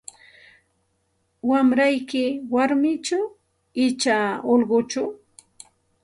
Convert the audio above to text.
Wamrayki warmichu icha ullquchu?